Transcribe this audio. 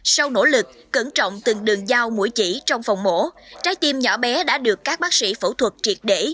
sau nỗ lực cẩn trọng từng đường dao mũi chỉ trong phòng mổ trái tim nhỏ bé đã được các bác sĩ phẫu thuật triệt để